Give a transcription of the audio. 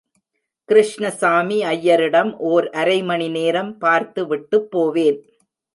கிருஷ்ணசாமி ஐயரிடம், ஓர் அரைமணி நேரம் பார்த்து விட்டுப்போவேன்!